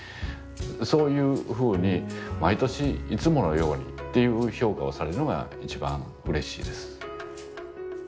そういうふうに毎年「いつものように」っていう評価をされるのが一番うれしいです。